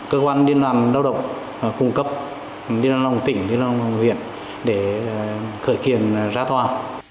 cơ quan điện đoàn lao động cung cấp điện đoàn lao động tỉnh điện đoàn lao động huyện để khởi kiện ra thoa